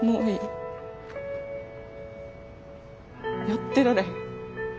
やってられへん。